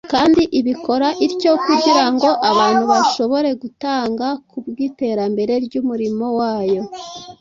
kandi ibikora ityo kugira ngo abantu bashobore gutanga kubw’iterambere ry’umurimo wayo.